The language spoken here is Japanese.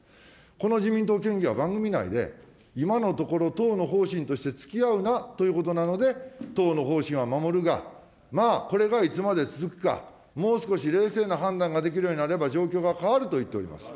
この自民党県議は番組内で、今のところ、党の方針としてつきあうなということなので、党の方針は守るが、まあ、これがいつまで続くか、もう少し冷静な判断ができるようになれば状況が変わると言っております。